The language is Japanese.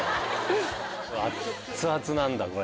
熱々なんだこれ。